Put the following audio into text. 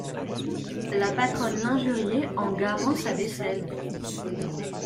La patronne l'injuriait, en garant sa vaisselle.